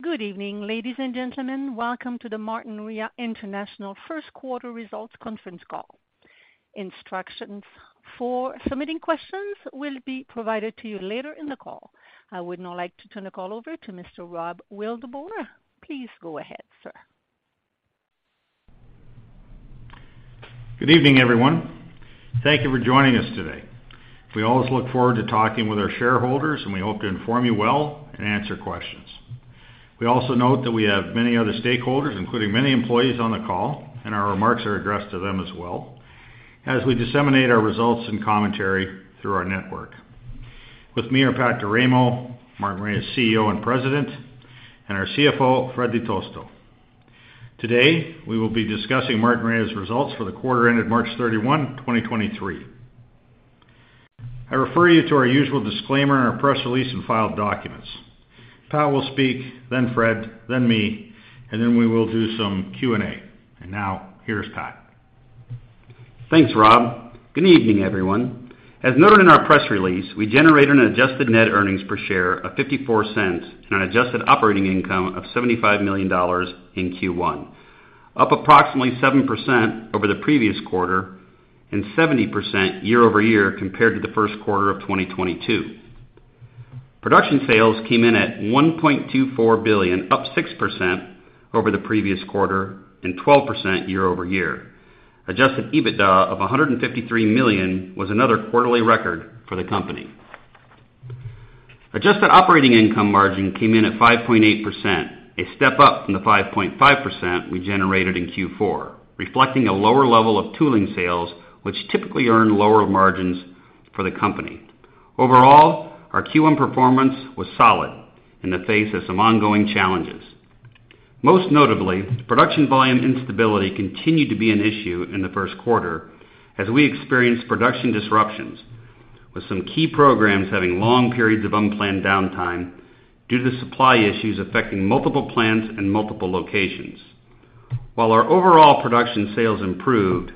Good evening, ladies and gentlemen. Welcome to the Martinrea International first quarter results conference call. Instructions for submitting questions will be provided to you later in the call. I would now like to turn the call over to Mr. Rob Wildeboer. Please go ahead, sir. Good evening, everyone. Thank you for joining us today. We always look forward to talking with our shareholders, and we hope to inform you well and answer questions. We also note that we have many other stakeholders, including many employees on the call, and our remarks are addressed to them as well as we disseminate our results and commentary through our network. With me are Pat D'Eramo, Martinrea's CEO and President, and our CFO, Fred Di Tosto. Today, we will be discussing Martinrea's results for the quarter ended March 31, 2023. I refer you to our usual disclaimer in our press release and filed documents. Pat will speak, then Fred, then me. Then we will do some Q&A. Now, here's Pat. Thanks, Rob. Good evening, everyone. As noted in our press release, we generated an adjusted net earnings per share of $0.54 and an adjusted operating income of $75 million in Q1, up approximately 7% over the previous quarter and 70% year-over-year compared to the first quarter of 2022. Production sales came in at $1.24 billion, up 6% over the previous quarter and 12% year-over-year. Adjusted EBITDA of $153 million was another quarterly record for the company. Adjusted operating income margin came in at 5.8%, a step up from the 5.5% we generated in Q4, reflecting a lower level of tooling sales, which typically earn lower margins for the company. Overall, our Q1 performance was solid in the face of some ongoing challenges. Most notably, production volume instability continued to be an issue in the first quarter as we experienced production disruptions, with some key programs having long periods of unplanned downtime due to supply issues affecting multiple plants and multiple locations. While our overall production sales improved,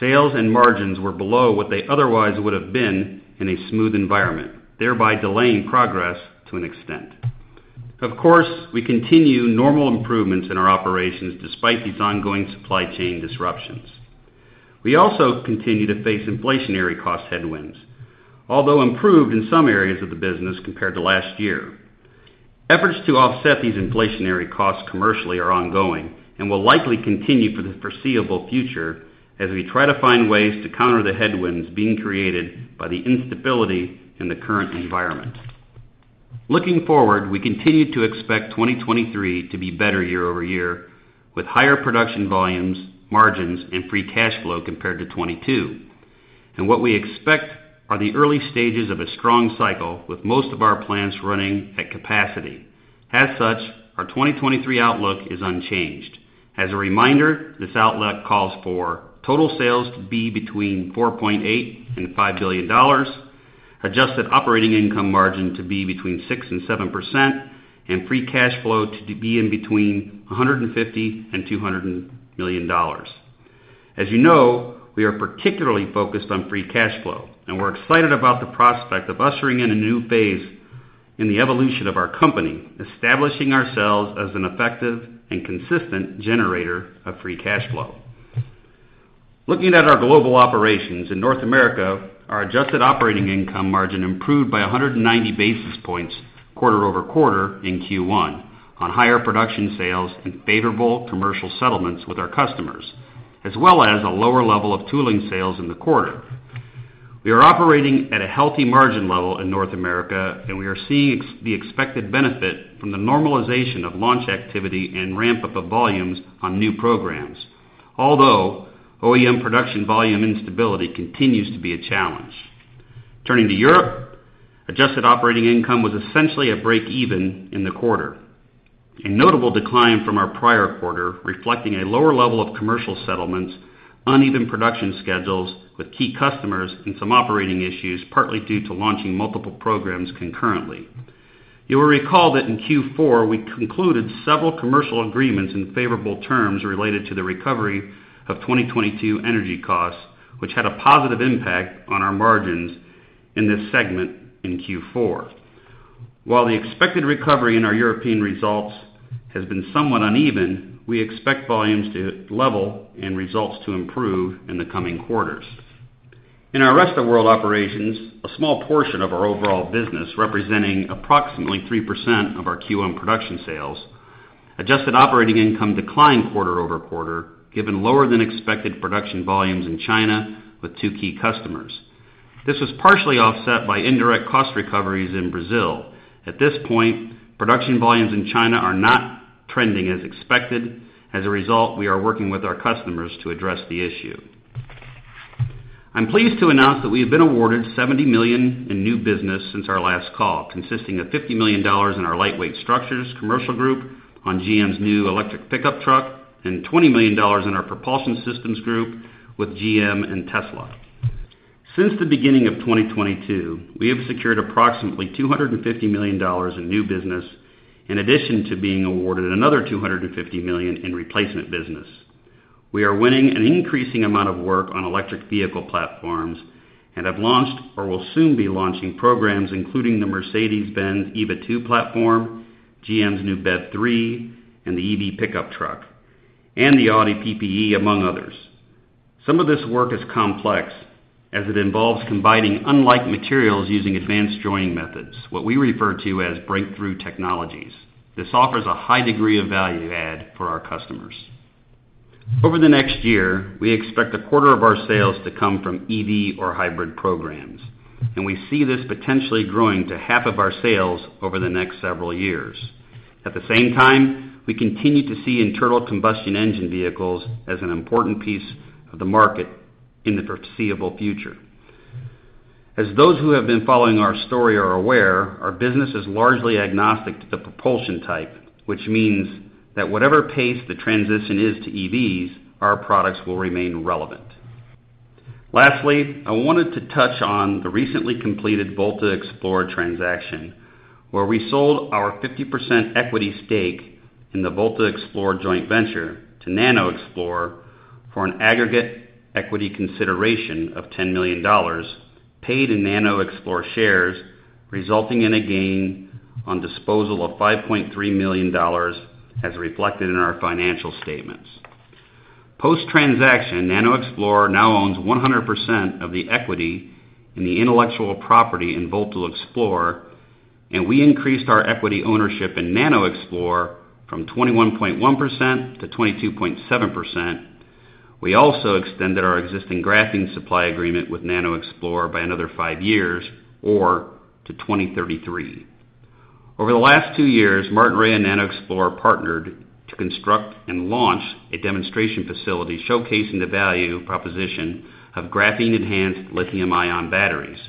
sales and margins were below what they otherwise would have been in a smooth environment, thereby delaying progress to an extent. Of course, we continue normal improvements in our operations despite these ongoing supply chain disruptions. We also continue to face inflationary cost headwinds, although improved in some areas of the business compared to last year. Efforts to offset these inflationary costs commercially are ongoing and will likely continue for the foreseeable future as we try to find ways to counter the headwinds being created by the instability in the current environment. Looking forward, we continue to expect 2023 to be better year-over-year, with higher production volumes, margins, and free cash flow compared to 2022, and what we expect are the early stages of a strong cycle with most of our plants running at capacity. As such, our 2023 outlook is unchanged. As a reminder, this outlook calls for total sales to be between 4.8 billion and 5 billion dollars, adjusted operating income margin to be between 6% and 7%, and free cash flow to be in between 150 million and 200 million dollars. As you know, we are particularly focused on free cash flow, and we're excited about the prospect of ushering in a new phase in the evolution of our company, establishing ourselves as an effective and consistent generator of free cash flow. Looking at our global operations, in North America, our adjusted operating income margin improved by 190 basis points quarter-over-quarter in Q1 on higher production sales and favorable commercial settlements with our customers, as well as a lower level of tooling sales in the quarter. We are operating at a healthy margin level in North America, and we are seeing the expected benefit from the normalization of launch activity and ramp up of volumes on new programs. Although OEM production volume instability continues to be a challenge. Turning to Europe, adjusted operating income was essentially a break even in the quarter, a notable decline from our prior quarter, reflecting a lower level of commercial settlements, uneven production schedules with key customers, and some operating issues, partly due to launching multiple programs concurrently. You will recall that in Q4, we concluded several commercial agreements and favorable terms related to the recovery of 2022 energy costs, which had a positive impact on our margins in this segment in Q4. While the expected recovery in our European results has been somewhat uneven, we expect volumes to level and results to improve in the coming quarters. In our rest of world operations, a small portion of our overall business, representing approximately 3% of our Q1 production sales, adjusted operating income declined quarter-over-quarter given lower than expected production volumes in China with two key customers. This was partially offset by indirect cost recoveries in Brazil. At this point, production volumes in China are not trending as expected. As a result, we are working with our customers to address the issue. I'm pleased to announce that we have been awarded 70 million in new business since our last call, consisting of 50 million dollars in our Lightweight Structures commercial group on GM's new electric pickup truck and 20 million dollars in our Propulsion Systems group with GM and Tesla. Since the beginning of 2022, we have secured approximately 250 million dollars in new business in addition to being awarded another 250 million in replacement business. We are winning an increasing amount of work on electric vehicle platforms and have launched or will soon be launching programs, including the Mercedes-Benz EVA2 platform, GM's new BEV3, and the EV pickup truck, and the Audi PPE, among others. Some of this work is complex, as it involves combining unlike materials using advanced joining methods, what we refer to as breakthrough technologies. This offers a high degree of value add for our customers. Over the next year, we expect a quarter of our sales to come from EV or hybrid programs, and we see this potentially growing to half of our sales over the next several years. At the same time, we continue to see internal combustion engine vehicles as an important piece of the market in the foreseeable future. As those who have been following our story are aware, our business is largely agnostic to the propulsion type, which means that whatever pace the transition is to EVs, our products will remain relevant. Lastly, I wanted to touch on the recently completed VoltaXplore transaction, where we sold our 50% equity stake in the VoltaXplore joint venture to NanoXplore for an aggregate equity consideration of $10 million, paid in NanoXplore shares, resulting in a gain on disposal of $5.3 million as reflected in our financial statements. Post-transaction, NanoXplore now owns 100% of the equity in the intellectual property in VoltaXplore, and we increased our equity ownership in NanoXplore from 21.1% to 22.7%. We also extended our existing graphene supply agreement with NanoXplore by another five years or to 2033. Over the last two years, Martinrea and NanoXplore partnered to construct and launch a demonstration facility showcasing the value proposition of graphene-enhanced lithium-ion batteries.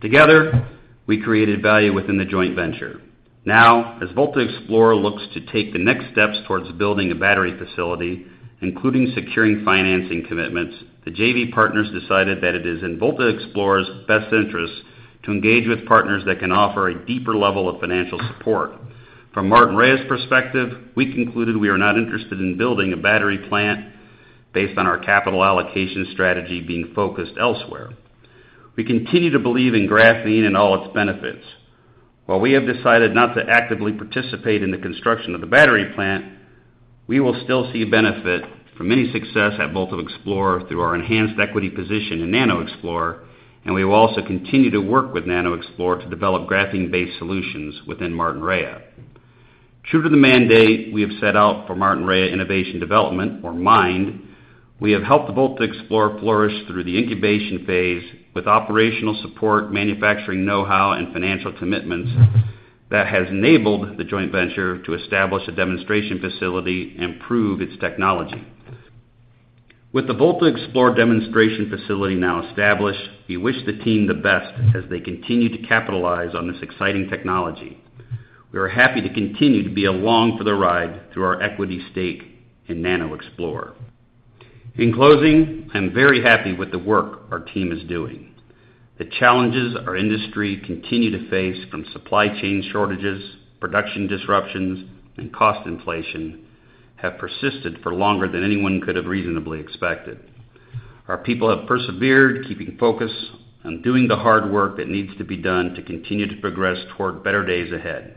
Together, we created value within the joint venture. As VoltaXplore looks to take the next steps towards building a battery facility, including securing financing commitments, the JV partners decided that it is in VoltaXplore's best interest to engage with partners that can offer a deeper level of financial support. From Martinrea's perspective, we concluded we are not interested in building a battery plant based on our capital allocation strategy being focused elsewhere. We continue to believe in graphene and all its benefits. While we have decided not to actively participate in the construction of the battery plant, we will still see benefit from any success at VoltaXplore through our enhanced equity position in NanoXplore, and we will also continue to work with NanoXplore to develop graphene-based solutions within Martinrea. True to the mandate we have set out for Martinrea Innovation Development, or MIND, we have helped VoltaXplore flourish through the incubation phase with operational support, manufacturing know-how, and financial commitments that has enabled the joint venture to establish a demonstration facility and prove its technology. With the VoltaXplore demonstration facility now established, we wish the team the best as they continue to capitalize on this exciting technology. We are happy to continue to be along for the ride through our equity stake in NanoXplore. In closing, I'm very happy with the work our team is doing. The challenges our industry continue to face from supply chain shortages, production disruptions, and cost inflation have persisted for longer than anyone could have reasonably expected. Our people have persevered, keeping focus on doing the hard work that needs to be done to continue to progress toward better days ahead.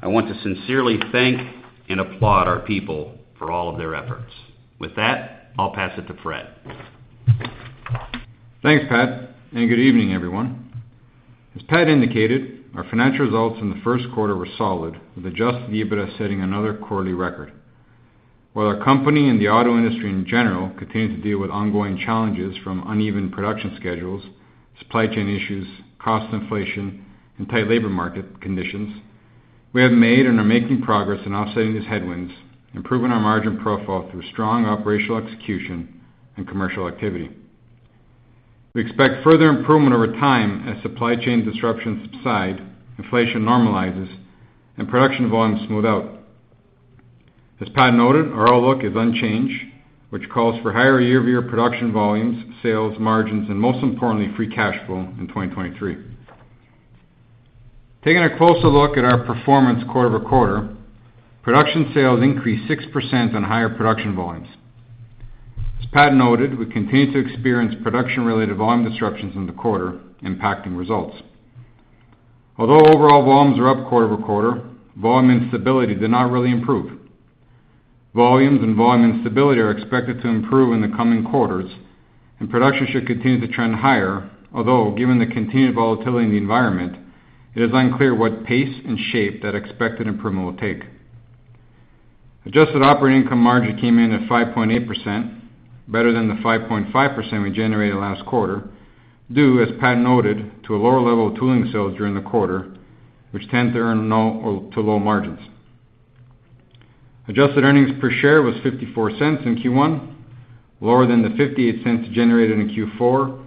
I want to sincerely thank and applaud our people for all of their efforts. With that, I'll pass it to Fred. Thanks, Pat. Good evening, everyone. As Pat indicated, our financial results in the first quarter were solid, with Adjusted EBITDA setting another quarterly record. While our company and the auto industry in general continue to deal with ongoing challenges from uneven production schedules, supply chain issues, cost inflation, and tight labor market conditions, we have made and are making progress in offsetting these headwinds, improving our margin profile through strong operational execution and commercial activity. We expect further improvement over time as supply chain disruptions subside, inflation normalizes, and production volumes smooth out. As Pat noted, our outlook is unchanged, which calls for higher year-over-year production volumes, sales, margins, and most importantly, free cash flow in 2023. Taking a closer look at our performance quarter-over-quarter, production sales increased 6% on higher production volumes. As Pat noted, we continue to experience production-related volume disruptions in the quarter, impacting results. Although overall volumes are up quarter-over-quarter, volume instability did not really improve. Volumes and volume instability are expected to improve in the coming quarters, and production should continue to trend higher, although given the continued volatility in the environment, it is unclear what pace and shape that expected improvement will take. Adjusted operating income margin came in at 5.8%, better than the 5.5% we generated last quarter, due, as Pat noted, to a lower level of tooling sales during the quarter, which tend to earn no or to low margins. Adjusted earnings per share was $0.54 in Q1, lower than the $0.58 generated in Q4,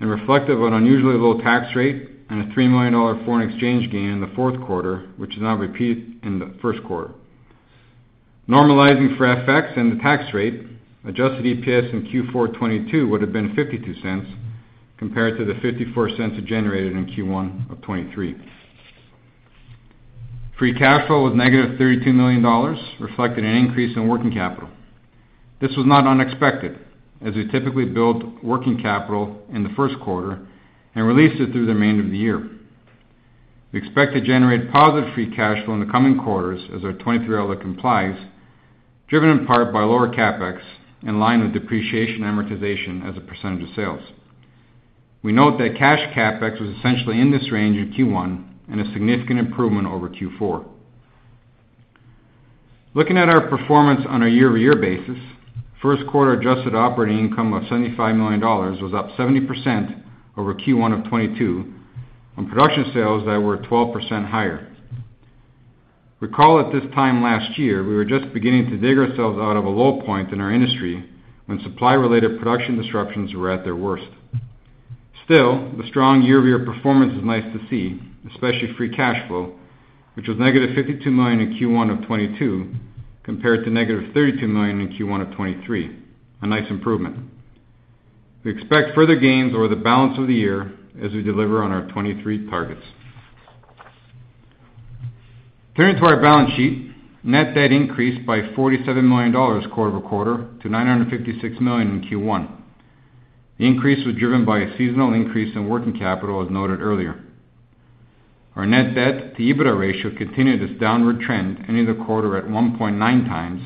and reflective of an unusually low tax rate and a $3 million foreign exchange gain in the fourth quarter, which is now repeated in the first quarter. Normalizing for FX and the tax rate, adjusted EPS in Q4 2022 would have been $0.52 compared to the $0.54 generated in Q1 of 2023. Free cash flow was negative $32 million, reflecting an increase in working capital. This was not unexpected, as we typically build working capital in the first quarter and release it through the remainder of the year. We expect to generate positive free cash flow in the coming quarters as our 2023 outlook complies, driven in part by lower CapEx, in line with depreciation amortization as a percentage of sales. We note that cash CapEx was essentially in this range in Q1 and a significant improvement over Q4. Looking at our performance on a year-over-year basis, first quarter adjusted operating income of 75 million dollars was up 70% over Q1 of 2022 on production sales that were 12% higher. Recall at this time last year, we were just beginning to dig ourselves out of a low point in our industry when supply-related production disruptions were at their worst. Still, the strong year-over-year performance is nice to see, especially free cash flow, which was negative 52 million in Q1 of 2022, compared to negative 32 million in Q1 of 2023. A nice improvement. We expect further gains over the balance of the year as we deliver on our 2023 targets. Turning to our balance sheet, net debt increased by 47 million dollars quarter-over-quarter to 956 million in Q1. The increase was driven by a seasonal increase in working capital, as noted earlier. Our net debt to EBITDA ratio continued its downward trend into the quarter at 1.9 times,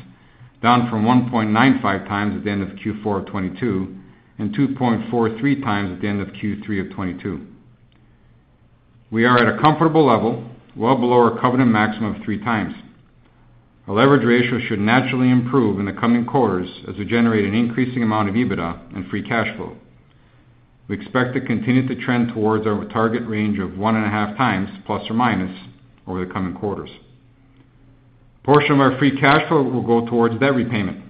down from 1.95 times at the end of Q4 of 2022 and 2.43 times at the end of Q3 of 2022. We are at a comfortable level, well below our covenant maximum of three times. Our leverage ratio should naturally improve in the coming quarters as we generate an increasing amount of EBITDA and free cash flow. We expect to continue to trend towards our target range of 1.5± times over the coming quarters. A portion of our free cash flow will go towards debt repayment.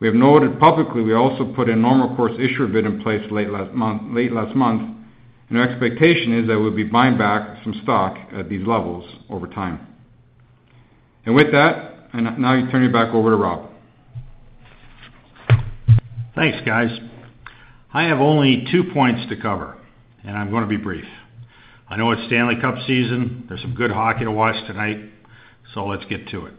We have noted publicly we also put a normal course issuer bid in place late last month. Our expectation is that we'll be buying back some stock at these levels over time. With that, I now turn it back over to Rob. Thanks, guys. I have only two points to cover, and I'm gonna be brief. I know it's Stanley Cup season. There's some good hockey to watch tonight. Let's get to it.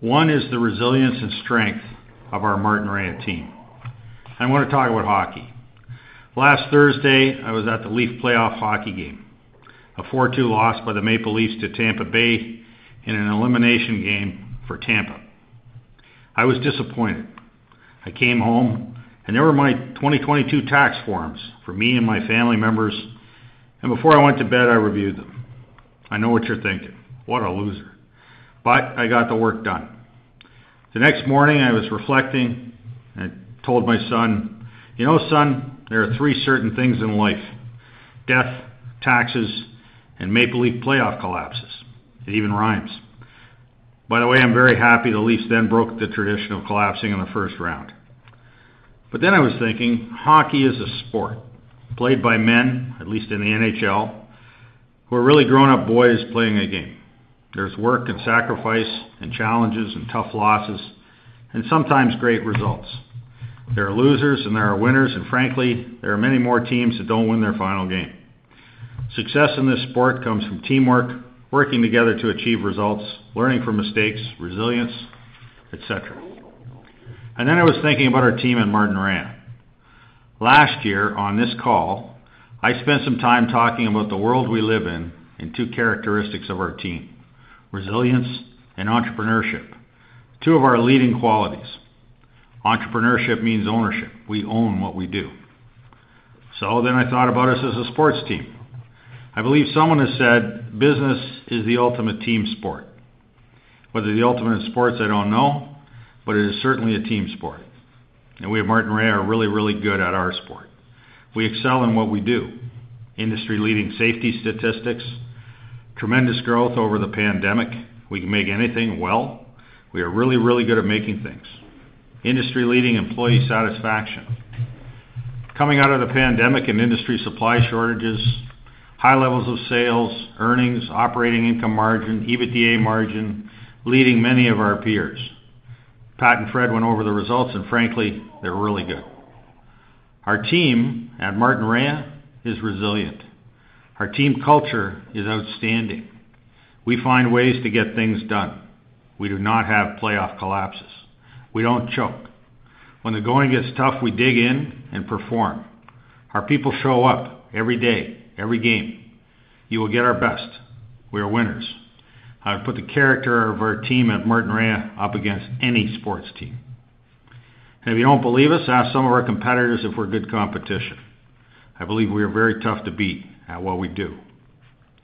One is the resilience and strength of our Martinrea team. I want to talk about hockey. Last Thursday, I was at the Leafs playoff hockey game, a 4-2 loss by the Maple Leafs to Tampa Bay in an elimination game for Tampa. I was disappointed. I came home and there were my 2022 tax forms for me and my family members, and before I went to bed, I reviewed them. I know what you're thinking. What a loser. I got the work done. The next morning, I was reflecting and told my son, "You know, son, there are three certain things in life: death, taxes, and Maple Leafs playoff collapses." It even rhymes. I'm very happy the Leafs then broke the tradition of collapsing in the first round. I was thinking, hockey is a sport played by men, at least in the NHL, who are really grown-up boys playing a game. There's work and sacrifice and challenges and tough losses and sometimes great results. There are losers and there are winners, frankly, there are many more teams that don't win their final game. Success in this sport comes from teamwork, working together to achieve results, learning from mistakes, resilience, et cetera. I was thinking about our team at Martinrea. Last year on this call, I spent some time talking about the world we live in and two characteristics of our team, resilience and entrepreneurship, two of our leading qualities. Entrepreneurship means ownership. We own what we do. I thought about us as a sports team. I believe someone has said business is the ultimate team sport. Whether the ultimate in sports, I don't know, but it is certainly a team sport. We at Martinrea are really, really good at our sport. We excel in what we do. Industry-leading safety statistics, tremendous growth over the pandemic. We can make anything well. We are really, really good at making things. Industry-leading employee satisfaction. Coming out of the pandemic and industry supply shortages, high levels of sales, earnings, operating income margin, EBITDA margin, leading many of our peers. Pat and Fred went over the results and frankly, they're really good. Our team at Martinrea is resilient. Our team culture is outstanding. We find ways to get things done. We do not have playoff collapses. We don't choke. When the going gets tough, we dig in and perform. Our people show up every day, every game. You will get our best. We are winners. I put the character of our team at Martinrea up against any sports team. If you don't believe us, ask some of our competitors if we're good competition. I believe we are very tough to beat at what we do.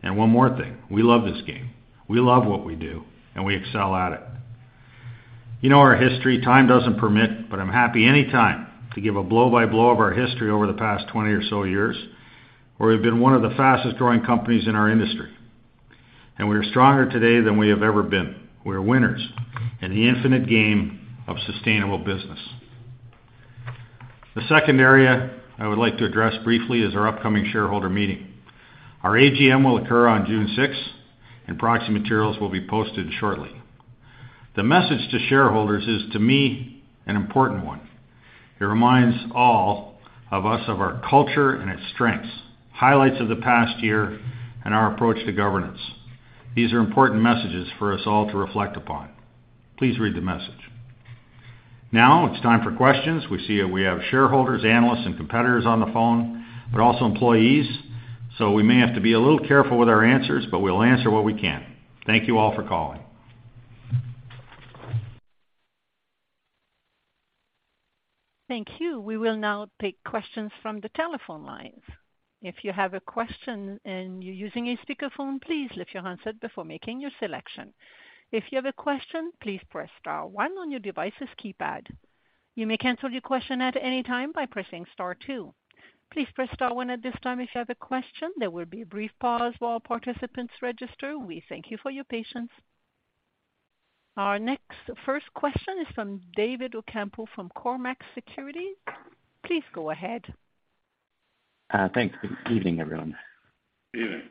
One more thing, we love this game. We love what we do, and we excel at it. You know our history. Time doesn't permit, but I'm happy anytime to give a blow-by-blow of our history over the past 20 or so years, where we've been one of the fastest-growing companies in our industry. We are stronger today than we have ever been. We are winners in the infinite game of sustainable business. The second area I would like to address briefly is our upcoming shareholder meeting. Our AGM will occur on June sixth, and proxy materials will be posted shortly. The message to shareholders is, to me, an important one. It reminds all of us of our culture and its strengths, highlights of the past year and our approach to governance. These are important messages for us all to reflect upon. Please read the message. Now it's time for questions. We see we have shareholders, analysts, and competitors on the phone, but also employees. We may have to be a little careful with our answers, but we'll answer what we can. Thank you all for calling. Thank you. We will now take questions from the telephone lines. If you have a question and you're using a speakerphone, please lift your handset before making your selection. If you have a question, please press star one on your device's keypad. You may cancel your question at any time by pressing star two. Please press star one at this time if you have a question. There will be a brief pause while participants register. We thank you for your patience. Our next first question is from David Ocampo from Cormark Securities. Please go ahead. Thanks. Good evening, everyone. Evening.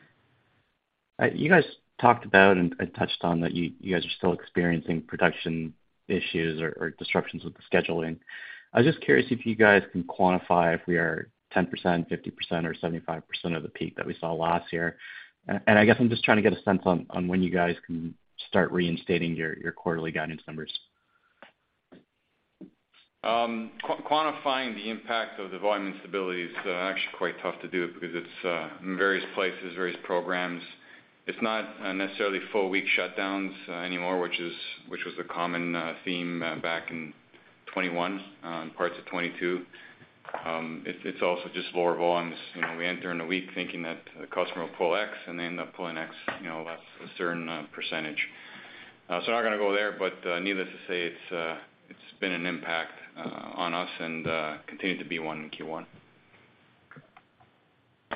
You guys talked about and touched on that you guys are still experiencing production issues or disruptions with the scheduling. I was just curious if you guys can quantify if we are 10%, 50%, or 75% of the peak that we saw last year. I guess I'm just trying to get a sense on when you guys can start reinstating your quarterly guidance numbers? Quantifying the impact of the volume instability is actually quite tough to do because it's in various places, various programs. It's not necessarily full week shutdowns anymore, which was the common theme back in 2021 and parts of 2022. It's also just lower volumes. You know, we enter in a week thinking that a customer will pull X, and they end up pulling X, you know, less a certain percentage. I'm not gonna go there, but needless to say, it's been an impact on us and continued to be one in Q1.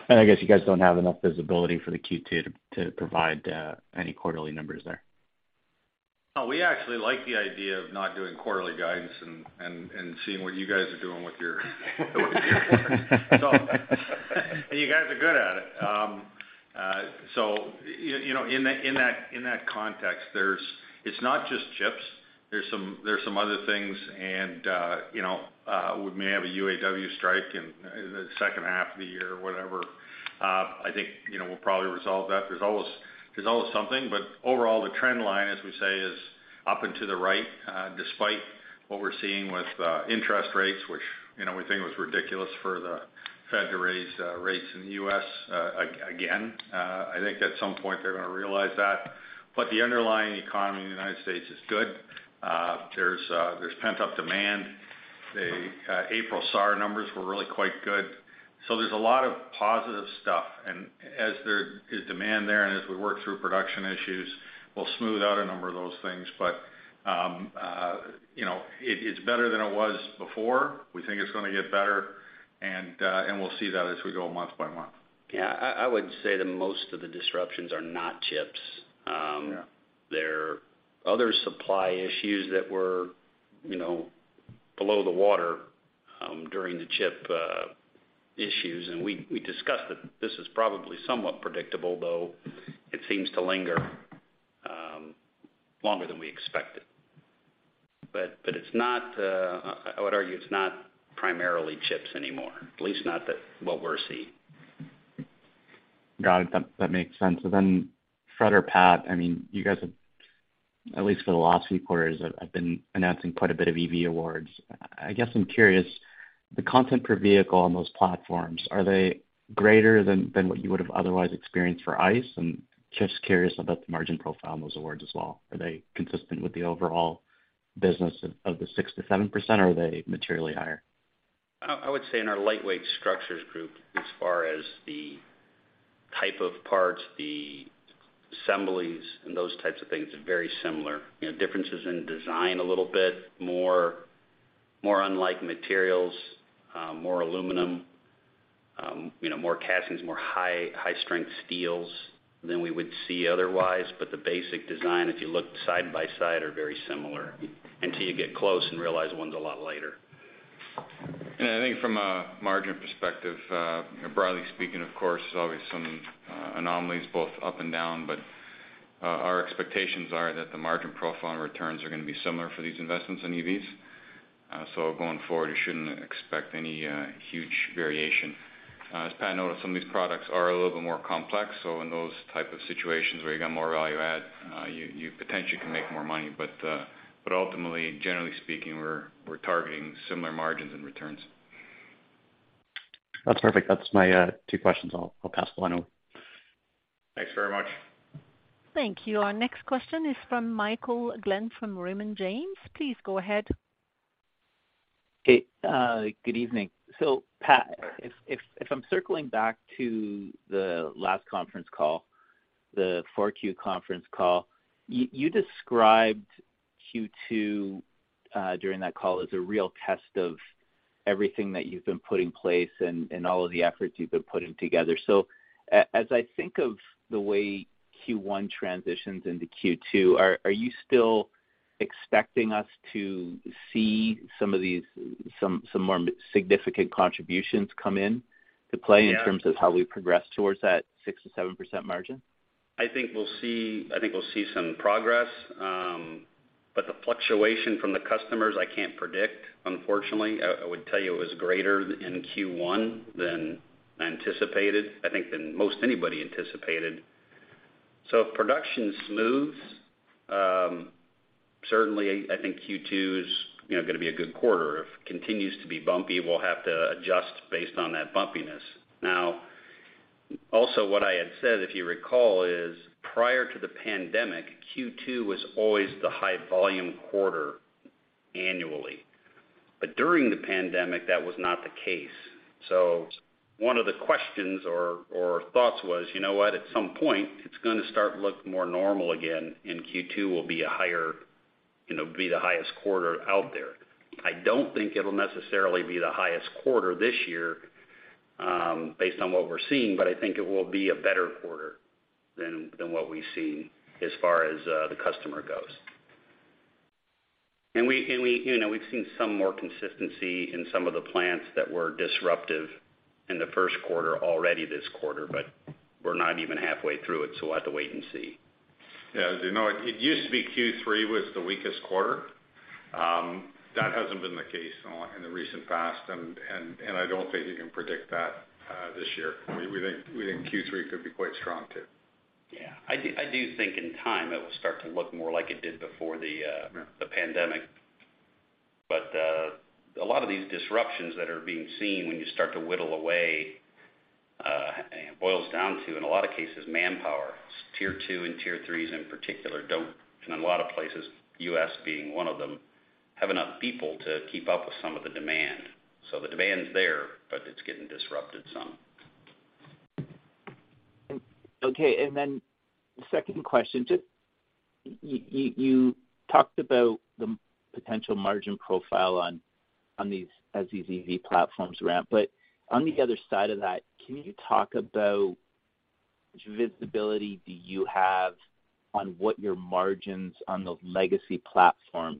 I guess you guys don't have enough visibility for the Q2 to provide any quarterly numbers there. No, we actually like the idea of not doing quarterly guidance and seeing what you guys are doing with your So... You guys are good at it. You know, in that context, there's, it's not just chips. There's some other things and, you know, we may have a UAW strike in the second half of the year or whatever. I think, you know, we'll probably resolve that. There's always something, overall, the trend line, as we say, is up and to the right, despite what we're seeing with interest rates, which, you know, we think it was ridiculous for the Fed to raise rates in the U.S. again. I think at some point they're gonna realize that. The underlying economy in the United States is good. There's pent-up demand. The April SAR numbers were really quite good. There's a lot of positive stuff. As there is demand there and as we work through production issues, we'll smooth out a number of those things. You know, it's better than it was before. We think it's gonna get better, and we'll see that as we go month by month. Yeah, I would say that most of the disruptions are not chips. Yeah. There are other supply issues that were, you know, below the water, during the chip issues. We discussed that this is probably somewhat predictable, though it seems to linger longer than we expected. It's not, I would argue it's not primarily chips anymore, at least not that what we're seeing. Got it. That makes sense. Fred or Pat, I mean, you guys have, at least for the last few quarters, have been announcing quite a bit of EV awards. I guess I'm curious, the content per vehicle on those platforms, are they greater than what you would have otherwise experienced for ICE? Just curious about the margin profile on those awards as well. Are they consistent with the overall business of the 6%-7%, or are they materially higher? I would say in our Lightweight Structures group, as far as the type of parts, the assemblies and those types of things are very similar. You know, differences in design a little bit more, more unlike materials, more aluminum, you know, more castings, more high strength steels than we would see otherwise, but the basic design, if you look side by side, are very similar until you get close and realize one's a lot lighter. I think from a margin perspective, you know, broadly speaking, of course, there's always some anomalies both up and down, but our expectations are that the margin profile and returns are gonna be similar for these investments in EVs. Going forward, you shouldn't expect any huge variation. As Pat noted, some of these products are a little bit more complex. In those type of situations where you got more value add, you potentially can make more money. Ultimately, generally speaking, we're targeting similar margins and returns. That's perfect. That's my, two questions. I'll pass the line over. Thanks very much. Thank you. Our next question is from Michael Glen from Raymond James. Please go ahead. Hey, good evening. Pat, if I'm circling back to the last conference call, the 4Q conference call, you described Q2 during that call as a real test of everything that you've been putting in place and all of the efforts you've been putting together. As I think of the way Q1 transitions into Q2, are you still expecting us to see some of these, some more significant contributions come in to play? Yeah. in terms of how we progress towards that 6%-7% margin? I think we'll see some progress. The fluctuation from the customers I can't predict, unfortunately. I would tell you it was greater in Q1 than anticipated, I think than most anybody anticipated. If production smooths, certainly I think Q2 is, you know, gonna be a good quarter. If it continues to be bumpy, we'll have to adjust based on that bumpiness. Also what I had said, if you recall, is prior to the pandemic, Q2 was always the high volume quarter annually. During the pandemic, that was not the case. One of the questions or thoughts was, You know what, at some point, it's gonna start to look more normal again, and Q2 will be a higher, you know, be the highest quarter out there. I don't think it'll necessarily be the highest quarter this year, based on what we're seeing, but I think it will be a better quarter than what we've seen as far as, the customer goes. you know, we've seen some more consistency in some of the plants that were disruptive in the first quarter already this quarter, but we're not even halfway through it, we'll have to wait and see. Yeah. You know what? It used to be Q3 was the weakest quarter. That hasn't been the case in the recent past, and I don't think you can predict that this year. We think Q3 could be quite strong too. Yeah. I do think in time it will start to look more like it did before the. Yeah... the pandemic. A lot of these disruptions that are being seen when you start to whittle away, it boils down to, in a lot of cases, manpower. Tier 2 and Tier 3 in particular don't, in a lot of places, U.S. being one of them, have enough people to keep up with some of the demand. The demand's there, but it's getting disrupted some. Okay. Second question. Just, you talked about the potential margin profile on these, as these EV platforms ramp. On the other side of that, can you talk about which visibility do you have on what your margins on the legacy platform?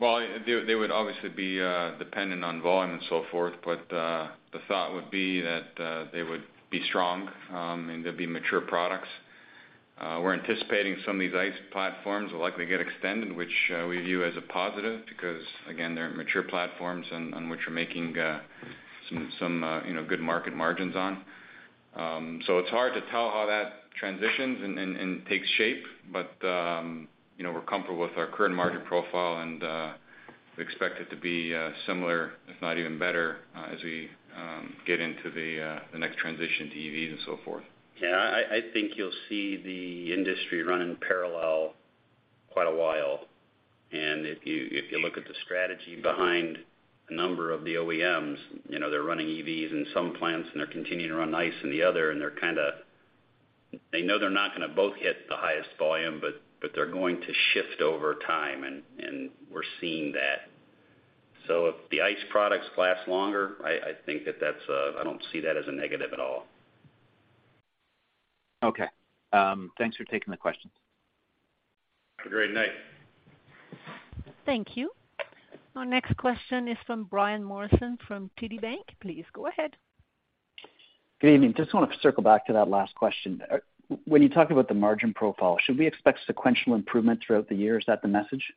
Well, they would obviously be dependent on volume and so forth. The thought would be that they would be strong, and they'd be mature products. We're anticipating some of these ICE platforms will likely get extended, which we view as a positive, because, again, they're mature platforms on which we're making some, you know, good market margins on. It's hard to tell how that transitions and takes shape. You know, we're comfortable with our current margin profile, and we expect it to be similar, if not even better, as we get into the next transition to EVs and so forth. Yeah, I think you'll see the industry run in parallel quite a while. If you, if you look at the strategy behind a number of the OEMs, you know, they're running EVs in some plants and they're continuing to run ICE in the other, and they know they're not gonna both hit the highest volume, but they're going to shift over time, and we're seeing that. If the ICE products last longer, I think that that's, I don't see that as a negative at all. Okay. Thanks for taking the questions. Have a great night. Thank you. Our next question is from Brian Morrison from TD Securities. Please go ahead. Good evening. Just wanna circle back to that last question. When you talked about the margin profile, should we expect sequential improvement throughout the year? Is that the message?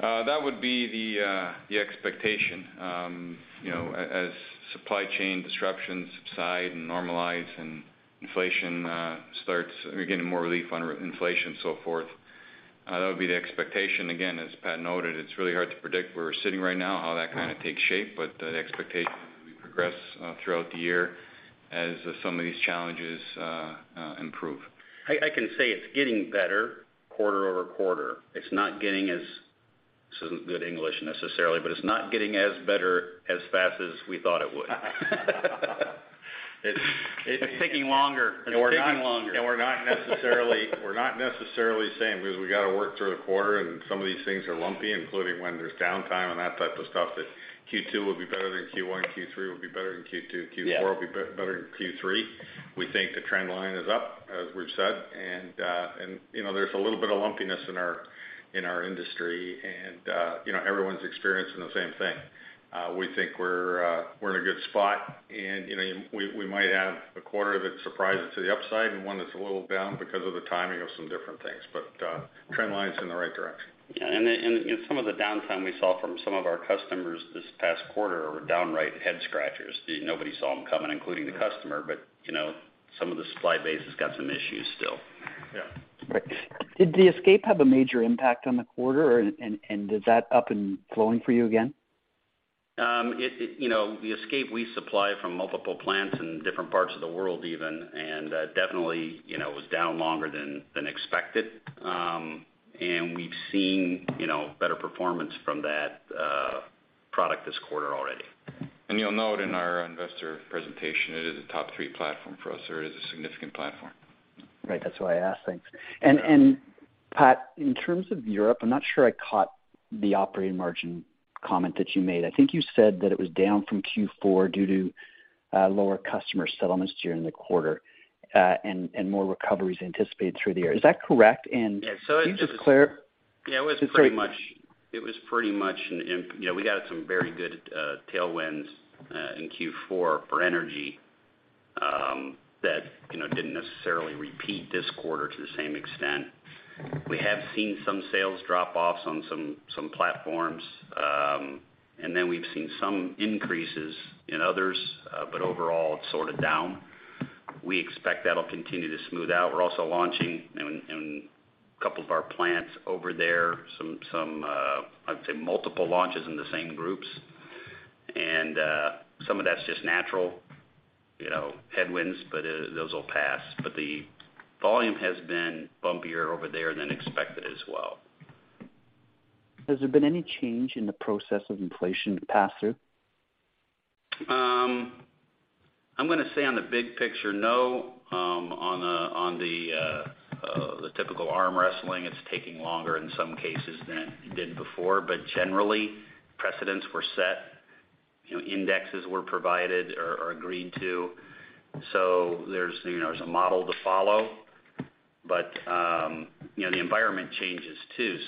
That would be the expectation. You know, as supply chain disruptions subside and normalize and inflation, We're getting more relief on inflation and so forth. That would be the expectation. Again, as Pat noted, it's really hard to predict where we're sitting right now, how that kinda takes shape, but the expectation as we progress throughout the year as some of these challenges improve. I can say it's getting better quarter-over-quarter. It's not getting as... This isn't good English necessarily, but it's not getting as better as fast as we thought it would. It's. It's taking longer. We're not necessarily saying because we gotta work through the quarter and some of these things are lumpy, including when there's downtime and that type of stuff, that Q2 will be better than Q1, Q3 will be better than Q2... Yeah Q4 will be better than Q3. We think the trend line is up, as we've said. You know, there's a little bit of lumpiness in our, in our industry. You know, everyone's experiencing the same thing. We think we're in a good spot. You know, we might have a quarter that surprises to the upside and one that's a little down because of the timing of some different things. Trend line's in the right direction. Yeah. You know, some of the downtime we saw from some of our customers this past quarter were downright head scratchers. Nobody saw them coming, including the customer. You know, some of the supply base has got some issues still. Yeah. Right. Did the Escape have a major impact on the quarter, and is that up and flowing for you again? You know, the Escape, we supply from multiple plants in different parts of the world even. Definitely, you know, it was down longer than expected. We've seen, you know, better performance from that product this quarter already. You'll note in our investor presentation, it is a top three platform for us, or it is a significant platform. Right. That's why I asked. Thanks. Pat, in terms of Europe, I'm not sure I caught the operating margin comment that you made. I think you said that it was down from Q4 due to lower customer settlements during the quarter, and more recoveries anticipated through the year. Is that correct? Yeah. Can you just clar- Yeah, it was pretty much, you know, we got some very good tailwinds in Q4 for energy, that, you know, didn't necessarily repeat this quarter to the same extent. We have seen some sales drop-offs on some platforms, and then we've seen some increases in others, but overall it's sorta down. We expect that'll continue to smooth out. We're also launching in a couple of our plants over there some, I'd say multiple launches in the same groups. Some of that's just natural, you know, headwinds, but those will pass. The volume has been bumpier over there than expected as well. Has there been any change in the process of inflation pass-through? I'm gonna say on the big picture, no. On the, on the typical arm wrestling, it's taking longer in some cases than it did before. Generally, precedents were set, you know, indexes were provided or agreed to. There's, you know, there's a model to follow. You know, the environment changes too.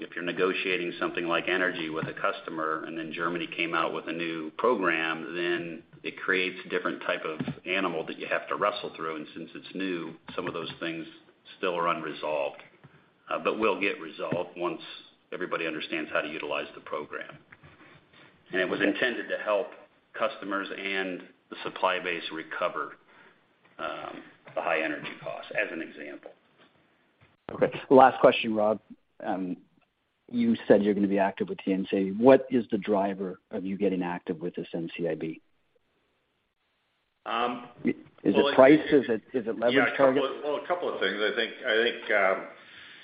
If you're negotiating something like energy with a customer, and then Germany came out with a new program, then it creates a different type of animal that you have to wrestle through. Since it's new, some of those things still are unresolved, but will get resolved once everybody understands how to utilize the program. It was intended to help customers and the supply base recover, the high energy costs, as an example. Last question, Rob. You said you're gonna be active with the NCIB. What is the driver of you getting active with this NCIB? Well- Is it price? Is it leverage targets? Yeah. Well, a couple of things. I think,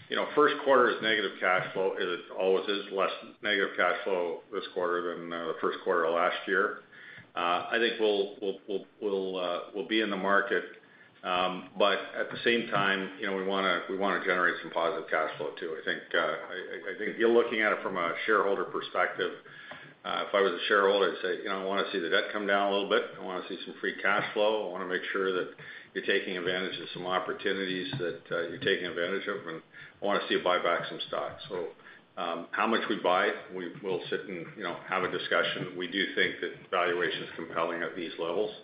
you know, first quarter is negative cash flow. It always is less negative cash flow this quarter than the first quarter of last year. I think we'll be in the market. At the same time, you know, we wanna generate some positive cash flow, too. I think if you're looking at it from a shareholder perspective, if I was a shareholder, I'd say, "You know, I wanna see the debt come down a little bit. I wanna see some free cash flow. I wanna make sure that you're taking advantage of some opportunities that you're taking advantage of, and I wanna see you buy back some stock." How much we buy, we'll sit and, you know, have a discussion. We do think that valuation's compelling at these levels.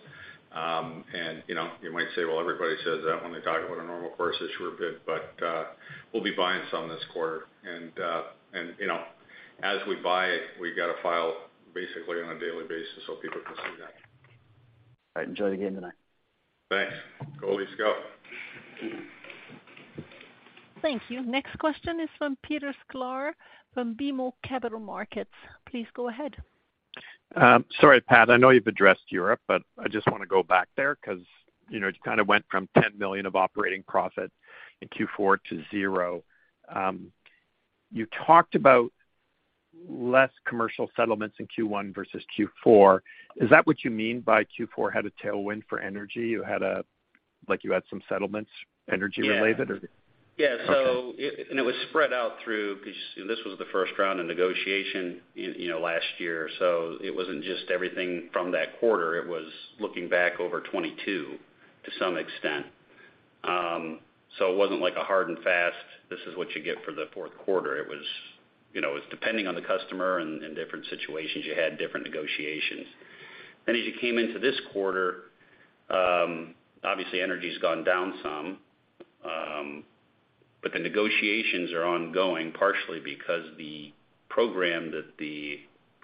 You know, you might say, "Well, everybody says that when they talk about a normal course issuer bid," but we'll be buying some this quarter. You know, as we buy it, we've gotta file basically on a daily basis so people can see that. All right. Enjoy the game tonight. Thanks. Go Leafs Go. Thank you. Next question is from Peter Sklar from BMO Capital Markets. Please go ahead. Sorry, Pat, I know you've addressed Europe, but I just wanna go back there 'cause, you know, it kinda went from $10 million of operating profit in Q4 to zero. You talked about less commercial settlements in Q1 versus Q4. Is that what you mean by Q4 had a tailwind for energy? You had some settlements energy related or? Yeah. Okay. Yeah. It was spread out through, 'cause this was the first round of negotiation in, you know, last year. It wasn't just everything from that quarter, it was looking back over 2022 to some extent. It wasn't like a hard and fast, this is what you get for the fourth quarter. It was, you know, it was depending on the customer and different situations, you had different negotiations. As you came into this quarter, obviously energy's gone down some. The negotiations are ongoing partially because the program that the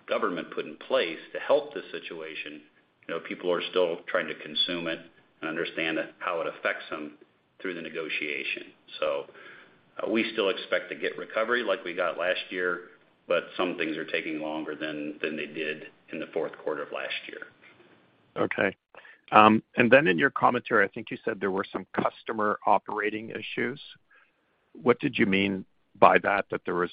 government put in place to help the situation, you know, people are still trying to consume it and understand it, how it affects them through the negotiation. We still expect to get recovery like we got last year, but some things are taking longer than they did in the fourth quarter of last year. Okay. In your commentary, I think you said there were some customer operating issues. What did you mean by that? That there was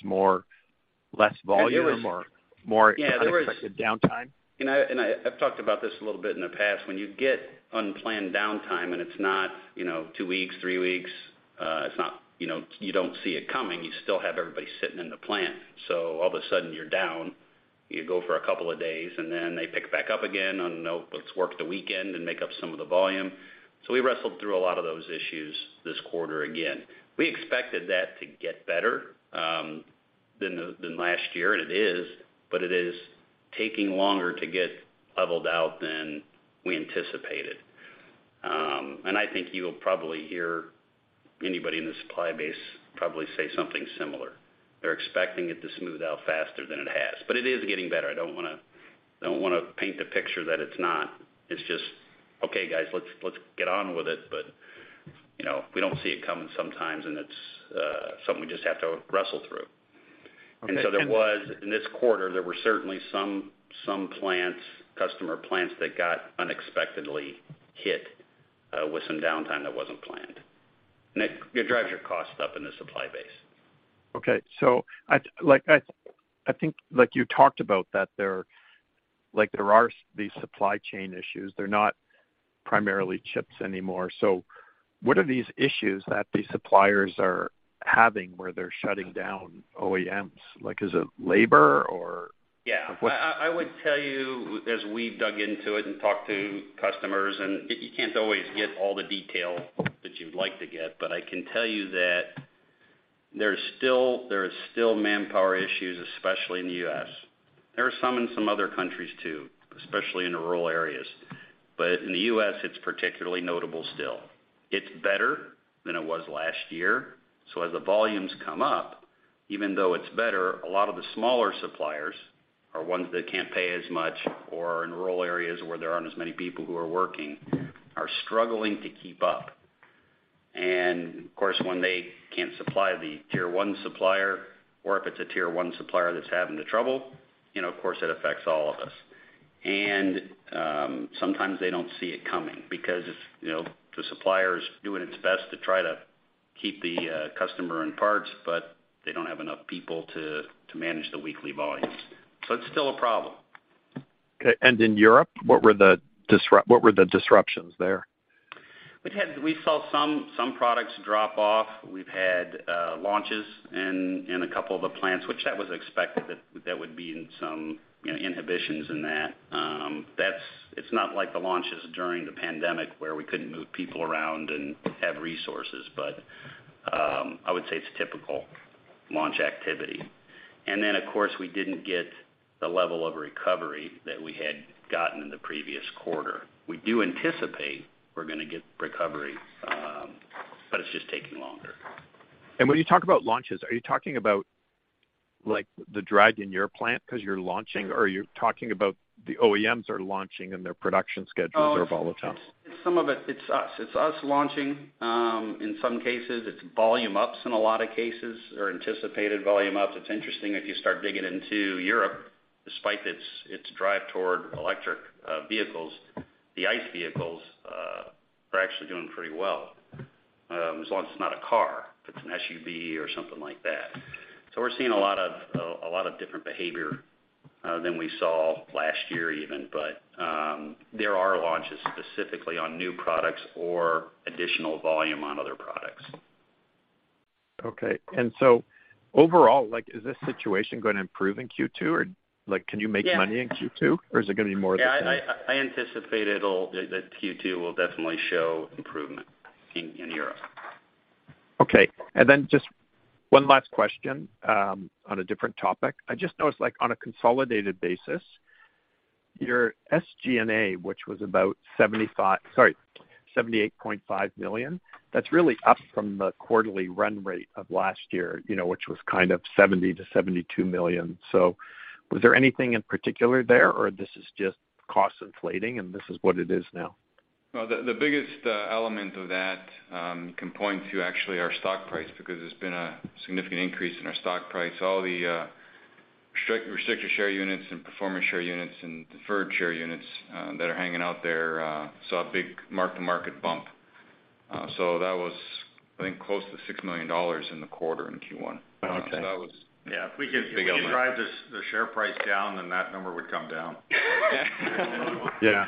less volume or- It was- More unexpected downtime? There was... I've talked about this a little bit in the past. When you get unplanned downtime and it's not, you know, 2 weeks, 3 weeks, it's not, you know, you don't see it coming, you still have everybody sitting in the plant. All of a sudden you're down, you go for a couple of days, they pick back up again on, you know, "Let's work the weekend and make up some of the volume." We wrestled through a lot of those issues this quarter again. We expected that to get better than last year, and it is, but it is taking longer to get leveled out than we anticipated. I think you'll probably hear anybody in the supply base probably say something similar. They're expecting it to smooth out faster than it has. It is getting better. I don't wanna paint the picture that it's not. It's just, "Okay, guys, let's get on with it." You know, we don't see it coming sometimes, and it's something we just have to wrestle through. Okay. There was, in this quarter, there were certainly some plants, customer plants that got unexpectedly hit with some downtime that wasn't planned. It drives your costs up in the supply base. Okay. I think like you talked about that there are these supply chain issues. They're not primarily chips anymore. What are these issues that these suppliers are having where they're shutting down OEMs? Is it labor or? Yeah. I would tell you as we've dug into it and talked to customers, and you can't always get all the detail that you'd like to get, but I can tell you that there's still manpower issues, especially in the U.S. There are some in some other countries too, especially in the rural areas. In the U.S., it's particularly notable still. It's better than it was last year. As the volumes come up, even though it's better, a lot of the smaller suppliers or ones that can't pay as much or in rural areas where there aren't as many people who are working, are struggling to keep up. Of course, when they can't supply the Tier 1 supplier or if it's a Tier 1 supplier that's having the trouble, you know, of course it affects all of us. Sometimes they don't see it coming because, you know, the supplier's doing its best to try to keep the customer in parts, but they don't have enough people to manage the weekly volumes. It's still a problem. Okay. in Europe, what were the disruptions there? We saw some products drop off. We've had launches in a couple of the plants, which that was expected that would be in some, you know, inhibitions in that. It's not like the launches during the pandemic where we couldn't move people around and have resources. I would say it's typical launch activity. Of course, we didn't get the level of recovery that we had gotten in the previous quarter. We do anticipate we're gonna get recovery, it's just taking longer. When you talk about launches, are you talking about, like, the drive in your plant 'cause you're launching, or are you talking about the OEMs are launching and their production schedules are volatile? Some of it's us. It's us launching. In some cases, it's volume ups in a lot of cases or anticipated volume ups. It's interesting, if you start digging into Europe, despite its drive toward electric vehicles, the ICE vehicles are actually doing pretty well, as long as it's not a car. If it's an SUV or something like that. We're seeing a lot of different behavior than we saw last year even. There are launches specifically on new products or additional volume on other products. Okay. overall, like, is this situation gonna improve in Q2? like, can you make money in Q2? Yeah. Is it gonna be more of the same? Yeah, That Q2 will definitely show improvement in Europe. Okay. Just one last question, on a different topic. I just noticed, like, on a consolidated basis, your SG&A, which was about 78.5 million, that's really up from the quarterly run rate of last year, you know, which was kind of 70 million-72 million. Was there anything in particular there, or this is just cost inflating, and this is what it is now? No. The biggest element of that can point to actually our stock price because there's been a significant increase in our stock price. All the restricted share units and Performance Share Units and Deferred Share Units that are hanging out there saw a big mark-to-market bump. That was, I think, close to 6 million dollars in the quarter in Q1. Okay. that was- Yeah. Big element. If we could drive the share price down, then that number would come down. Yeah.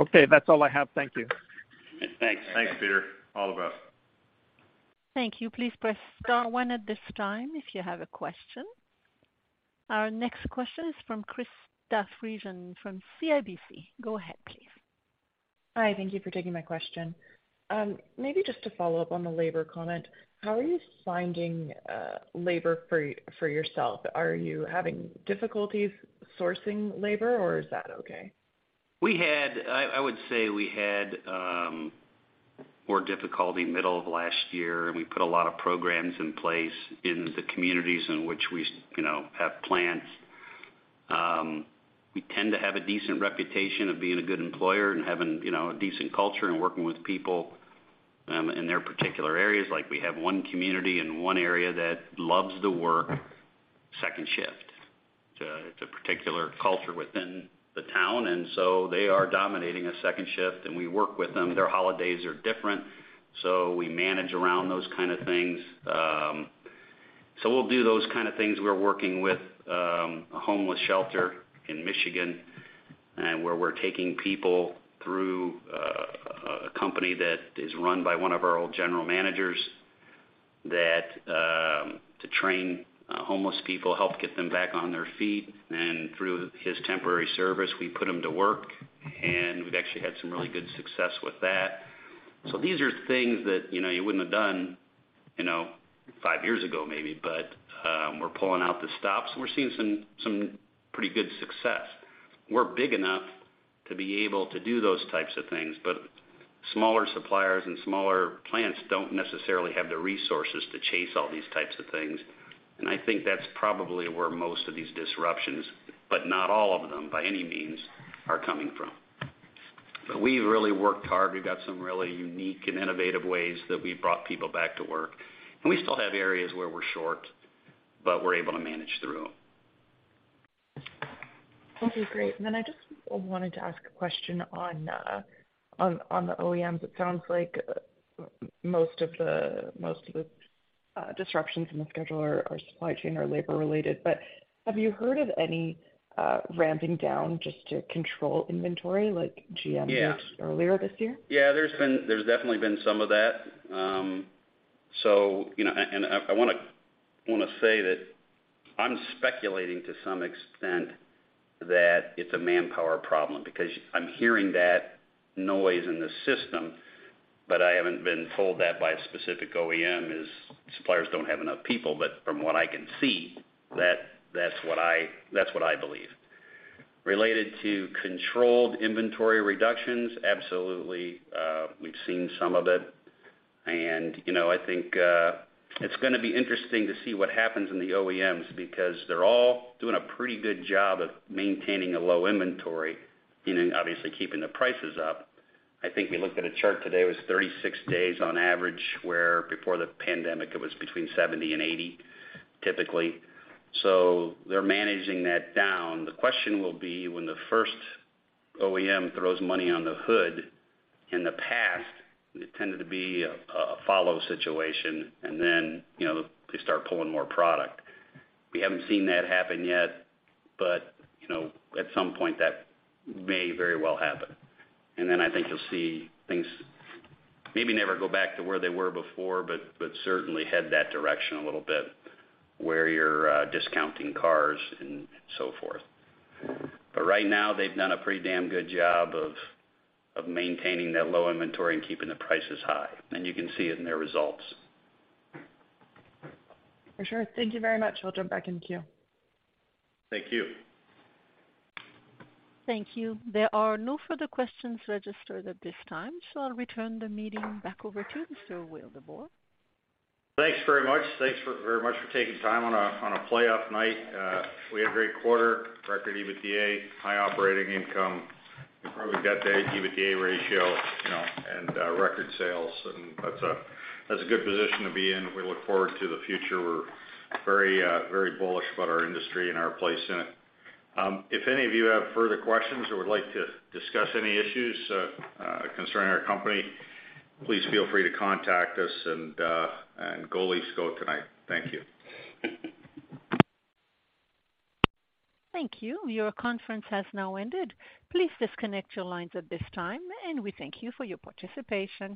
Okay, that's all I have. Thank you. Thanks. Thanks, Peter. All the best. Thank you. Please press star one at this time if you have a question. Our next question is from Krista Friesen from CIBC. Go ahead, please. Hi. Thank you for taking my question. Maybe just to follow up on the labor comment. How are you finding labor for yourself? Are you having difficulties sourcing labor, or is that okay? We had, I would say we had more difficulty middle of last year, and we put a lot of programs in place in the communities in which we, you know, have plants. We tend to have a decent reputation of being a good employer and having, you know, a decent culture and working with people in their particular areas. Like, we have one community in one area that loves to work second shift. It's a, it's a particular culture within the town. They are dominating a second shift, and we work with them. Their holidays are different. We manage around those kind of things. We'll do those kind of things. We're working with a homeless shelter in Michigan, and where we're taking people through a company that is run by one of our old general managers that to train homeless people, help get them back on their feet. Through his temporary service, we put them to work, and we've actually had some really good success with that. These are things that, you know, you wouldn't have done, you know, five years ago maybe, but we're pulling out the stops, and we're seeing some pretty good success. We're big enough to be able to do those types of things, but smaller suppliers and smaller plants don't necessarily have the resources to chase all these types of things. I think that's probably where most of these disruptions, but not all of them by any means, are coming from. We've really worked hard. We've got some really unique and innovative ways that we've brought people back to work. We still have areas where we're short, but we're able to manage through. Okay, great. I just wanted to ask a question on the OEMs. It sounds like most of the disruptions in the schedule are supply chain or labor related, but. Have you heard of any, ramping down just to control inventory like GM- Yeah did earlier this year? Yeah, there's definitely been some of that. You know, and I wanna say that I'm speculating to some extent that it's a manpower problem because I'm hearing that noise in the system, but I haven't been told that by a specific OEM is suppliers don't have enough people. From what I can see, that's what I, that's what I believe. Related to controlled inventory reductions, absolutely, we've seen some of it. You know, I think, it's gonna be interesting to see what happens in the OEMs because they're all doing a pretty good job of maintaining a low inventory and then obviously keeping the prices up. I think we looked at a chart today, it was 36 days on average, where before the pandemic, it was between 70 and 80, typically. They're managing that down. The question will be when the first OEM throws money on the hood. In the past, it tended to be a follow situation and then, you know, they start pulling more product. We haven't seen that happen yet, but, you know, at some point that may very well happen. Then I think you'll see things maybe never go back to where they were before, but certainly head that direction a little bit, where you're discounting cars and so forth. Right now, they've done a pretty damn good job of maintaining that low inventory and keeping the prices high, and you can see it in their results. For sure. Thank you very much. I'll jump back in queue. Thank you. Thank you. There are no further questions registered at this time. I'll return the meeting back over to Mr. Rob Wildeboer. Thanks very much. Thanks very much for taking time on a playoff night. We had a great quarter, record EBITDA, high operating income. We probably got the EBITDA ratio, you know, and record sales, and that's a good position to be in. We look forward to the future. We're very, very bullish about our industry and our place in it. If any of you have further questions or would like to discuss any issues concerning our company, please feel free to contact us. Go Leafs go tonight. Thank you. Thank you. Your conference has now ended. Please disconnect your lines at this time, and we thank you for your participation.